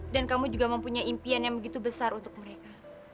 kamu juga mempunyai impian yang begitu besar untuk mereka